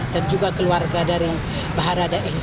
dan juga keluarga dari barada e